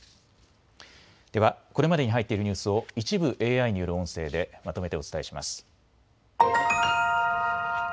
では、これまでに入っているニュースを一部、ＡＩによる音声でまとめてお伝えします。